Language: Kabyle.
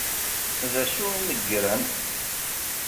D acu i meggren?